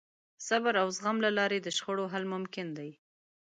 د صبر او زغم له لارې د شخړو حل ممکن دی.